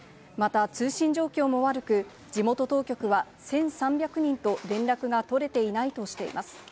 また通信状況も悪く、地元当局は１３００人と連絡が取れていないとしています。